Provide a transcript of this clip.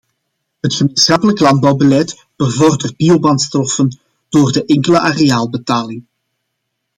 Het gemeenschappelijk landbouwbeleid bevordert biobrandstoffen door de enkele areaalbetaling.